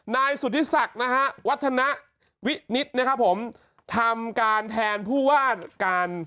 นายสุธิศักดิ์นะฮะวัฒนวินิตนะครับผมทำการแทนผู้ว่าการ